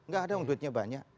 gak ada yang duitnya banyak